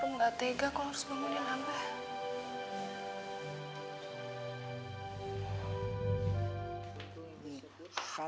rum ga tega kalo harus bangunin abah